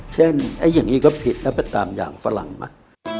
อย่างนี้ก็ผิดแล้วไปตามอย่างฝรั่งมา